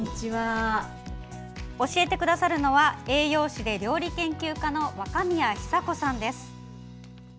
教えてくださるのは栄養士で料理研究家の若宮寿子さんです。